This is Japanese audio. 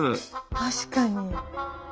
確かに。